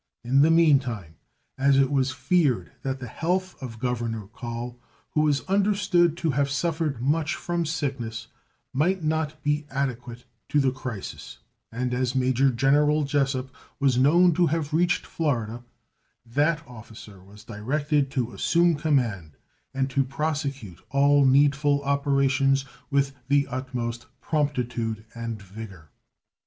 In the mean time, as it was feared that the health of Governor Call, who was understood to have suffered much from sickness, might not be adequate to the crisis, and as Major General Jesup was known to have reached Florida, that officer was directed to assume command, and to prosecute all needful operations with the utmost promptitude and vigor.